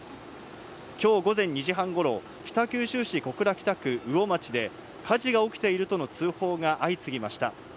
今日午前２時半頃、北九州市小倉北区魚町で火事が起きているとの通報が相次ぎました。